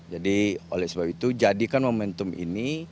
jadi oleh sebab itu jadikan momentum ini